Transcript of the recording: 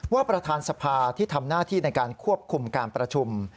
ประธานสภาที่ทำหน้าที่ในการควบคุมการประชุม